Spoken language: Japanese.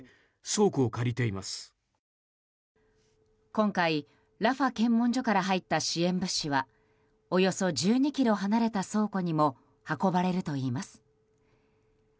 今回、ラファ検問所から入った支援物資はおよそ１２ｋｍ離れた倉庫にも運ばれるといいます。